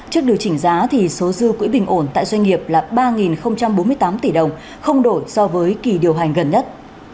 trước điều chỉnh giá thì số dư quỹ bình ổn tại doanh nghiệp là ba bốn mươi tám tỷ đồng không đổi so với kỳ điều hành gần nhất